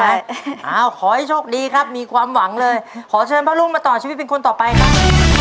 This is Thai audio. เอาขอให้โชคดีครับมีความหวังเลยขอเชิญพระรุ่งมาต่อชีวิตเป็นคนต่อไปครับ